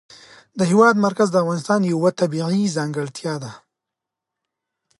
د هېواد مرکز د افغانستان یوه طبیعي ځانګړتیا ده.